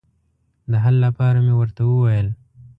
د حل لپاره مې ورته وویل.